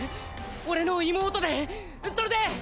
「俺の妹でそれで」